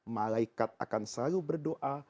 malaikat akan selalu berdoa